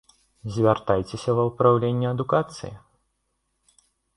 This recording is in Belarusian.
Звяртайцеся ва ўпраўленне адукацыі.